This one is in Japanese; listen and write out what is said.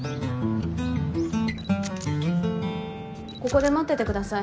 ここで待っててください